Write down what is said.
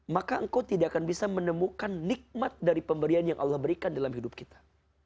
maka engkau tidak akan bisa menemukan nikmat dari pemberian yang allah berikan dalam hidup kita